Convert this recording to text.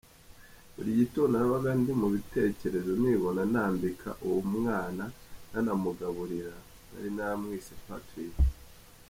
Buri gitondo nabaga ndi mu bitekerezo nibona nambika uwo mwana nanamugaburira, nari naramwise Patrick.